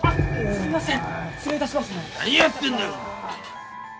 すみません。